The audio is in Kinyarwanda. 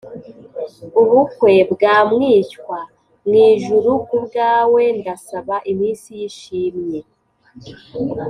ubukwe bwa mwishywa: mwijuru kubwawe ndasaba iminsi yishimye